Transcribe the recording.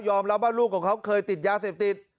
รับว่าลูกของเขาเคยติดยาเสพติด